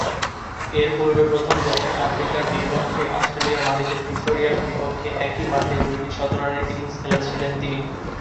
এরপূর্বে প্রথম দক্ষিণ আফ্রিকান হিসেবে অস্ট্রেলিয়ার মাটিতে ভিক্টোরিয়ার বিপক্ষে একই মাঠে দুইটি শতরানের ইনিংস খেলেছিলেন তিনি।